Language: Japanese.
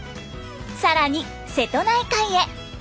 更に瀬戸内海へ。